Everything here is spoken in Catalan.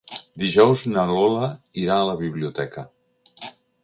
Dijous na Lola irà a la biblioteca.